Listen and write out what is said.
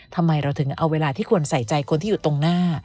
ทำไมเราถึงเอาเวลาที่ควรใส่ใจคนที่อยู่ตรงหน้า